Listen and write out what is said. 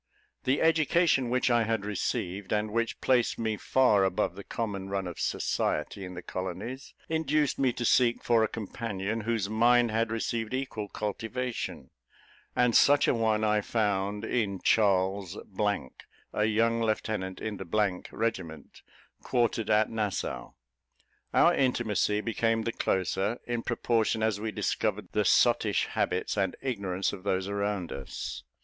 The education which I had received, and which placed me far above the common run of society in the colonies, induced me to seek for a companion whose mind had received equal cultivation; and such a one I found in Charles , a young lieutenant in the regiment, quartered at Nassau. Our intimacy became the closer, in proportion as we discovered the sottish habits and ignorance of those around us.